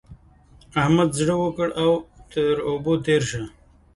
احمد زړه وکړه او تر اوبو تېر شه.